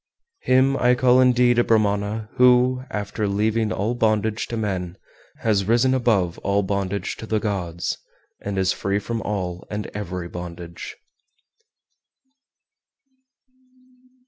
417. Him I call indeed a Brahmana who, after leaving all bondage to men, has risen above all bondage to the gods, and is free from all and every bondage.